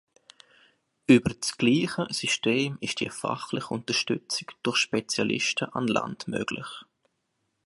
Über das gleiche System ist die fachliche Unterstützung durch Spezialisten an Land möglich.